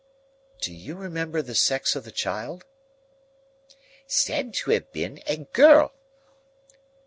"Do you remember the sex of the child?" "Said to have been a girl."